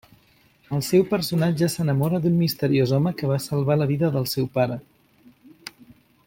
El seu personatge s'enamora d’un misteriós home que va salvar la vida del seu pare.